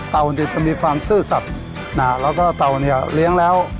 เต่านี่จะมีความซื่อสัตว์น่ะแล้วก็เต่านี่เลี้ยวเลี้ยงแล้ว